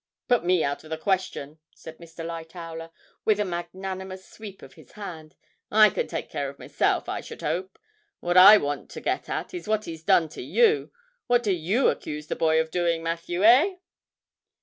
'Put me out of the question!' said Mr. Lightowler, with a magnanimous sweep of his hand, 'I can take care of myself, I should 'ope. What I want to get at is what he's done to you. What do you accuse the boy of doing, Matthew, eh?'